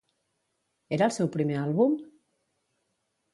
Era el seu primer àlbum?